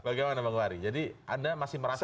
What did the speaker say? bagaimana bang wari jadi anda masih merasa